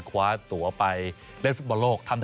คว้าตัวไปเล่นฟุตบอลโลก